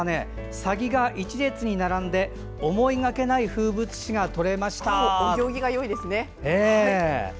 サギが一列に並んで思いがけない風物詩が撮れました。